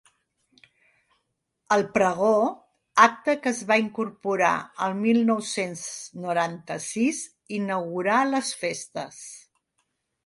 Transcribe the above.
El pregó, acte que es va incorporar el mil nou-cents noranta-sis, inaugura les festes.